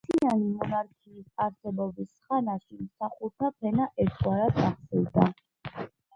ერთიანი მონარქიის არსებობის ხანაში მსახურთა ფენა ერთგვარად აღზევდა.